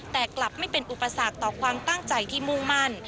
แต่กลับไม่เป็นอุปสรรคต่อความตั้งใจที่มุ่งมั่น